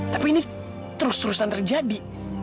tapi ini terus terusan terjadi